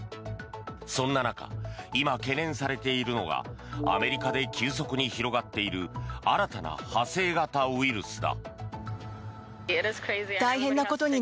そんな中、今懸念されているのがアメリカで急速に広がっている新たな派生型ウイルスだ。